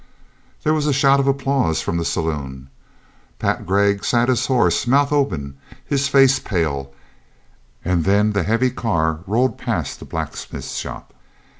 There was a shout of applause from the saloon; Pat Gregg sat his horse, mouth open, his face pale, and then the heavy car rolled past the blacksmith shop.